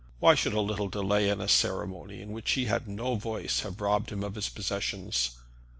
Why should a little delay in a ceremony in which he had no voice have robbed him of his possessions?